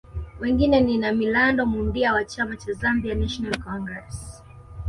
Wengine ni Namilando Mundia wa chama cha Zambia National Congress